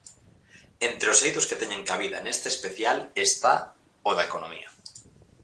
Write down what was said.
Entre os eidos que teñen cabida neste especial está o da economía.